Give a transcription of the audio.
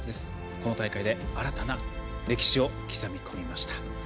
この大会で新たな歴史を刻み込みました。